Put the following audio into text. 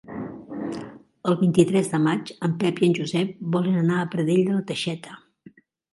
El vint-i-tres de maig en Pep i en Josep volen anar a Pradell de la Teixeta.